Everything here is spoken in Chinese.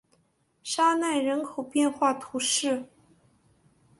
沙奈人口变化图示